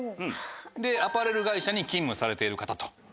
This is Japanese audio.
アパレル会社に勤務されている方。